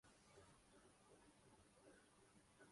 boxer Aamir Khan نے Phil Lo Greco کو پہلےرانڈ میں ہی ناک کر دیا